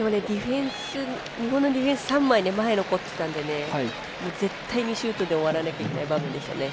日本のディフェンス３枚で前、残っていたので絶対にシュートで終わらないといけない場面でした。